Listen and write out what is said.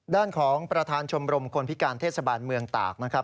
ด้านของประธานชมรมคนพิการเทศบาลเมืองตากนะครับ